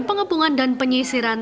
pengepungan dan penyisiran